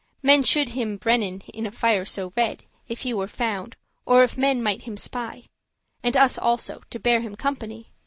Men should him brennen* in a fire so red, *burn If he were found, or if men might him spy: And us also, to bear him company.